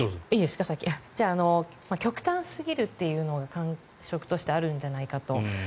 極端すぎるというのは感触としてあるのではないかと。